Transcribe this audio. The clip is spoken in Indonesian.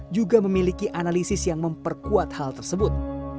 juga memiliki analisis yang memperkuat hal tersebut